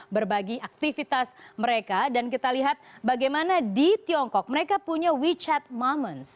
berbagi aktivitas mereka dan kita lihat bagaimana di tiongkok mereka punya wechat moments